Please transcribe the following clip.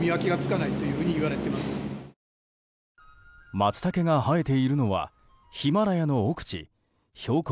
マツタケが生えているのはヒマラヤの奥地標高